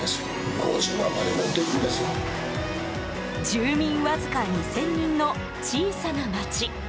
住民わずか２０００人の小さな町。